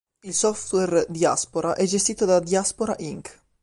Il software Diaspora è gestito da "Diaspora Inc.